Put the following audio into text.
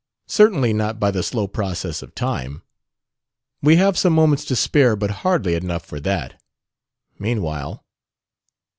Certainly not by the slow process of time. We have some moments to spare, but hardly enough for that. Meanwhile...."